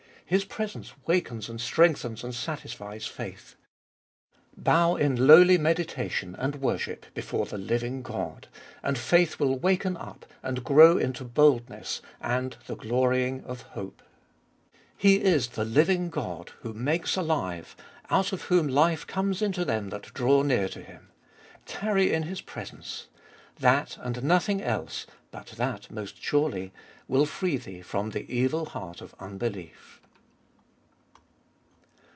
His presence wakens and strengthens and satisfies faith. Bow in lowly meditation and worship before the living God, and faith will waken up and grow into boldness and the glorying of hope. He is the living God, who makes alive, out of whom life comes into them that draw near to Him : tarry in His presence — that, and nothing else, but that, most surely, will free thee from the evil heart of unbelief.